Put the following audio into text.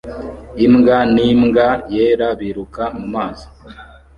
Imbwa n'imbwa yera biruka mumazi